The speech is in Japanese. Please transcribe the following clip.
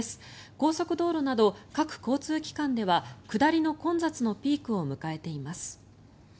高速道路など各交通機関では下りの混雑のピークを迎えています。